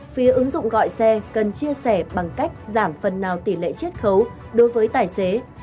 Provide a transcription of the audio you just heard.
phía ứng dụng gọi xe cần chia sẻ bằng cách giảm phần nào tỷ lệ chết khấu đối với tài xế